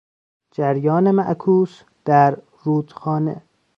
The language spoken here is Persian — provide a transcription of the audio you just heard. جریان معکوس در رودخانه